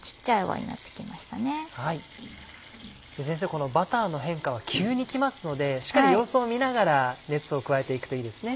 このバターの変化は急にきますのでしっかり様子を見ながら熱を加えていくといいですね。